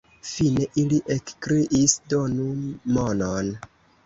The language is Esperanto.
Fine ili ekkriis: donu monon!